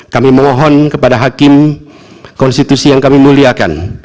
kami mohon kepada hakim konstitusi yang kami muliakan